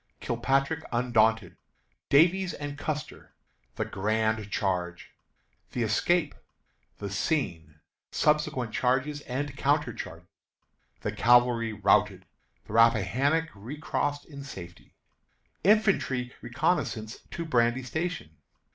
Kilpatrick Undaunted. Davies and Custer. The Grand Charge. The Escape. The Scene. Subsequent Charges and Counter charges. The Cavalry Routed. The Rappahannock Recrossed in Safety. Infantry Reconnoissance to Brandy Station.